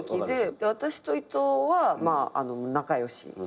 私と伊藤はまあ仲良し。